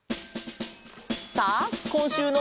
さあこんしゅうの。